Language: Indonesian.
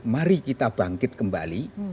mari kita bangkit kembali